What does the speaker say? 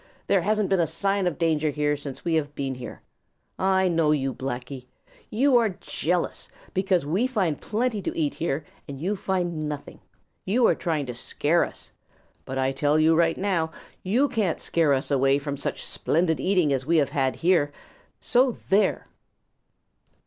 "There hasn't been a sign of danger here since we have been here. I know you, Blacky; you are jealous because we find plenty to eat here, and you find nothing. You are trying to scare us. But I'll tell you right now, you can't scare us away from such splendid eating as we have had here. So there!"